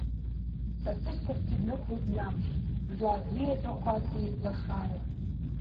Са сышьҭахьгьы днықәлоит мҩамыш, жәлар риеҵәахәаҵеи лашара!